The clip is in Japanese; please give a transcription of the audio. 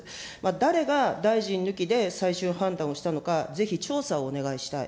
誰が大臣抜きで最終判断をしたのか、ぜひ調査をお願いしたい。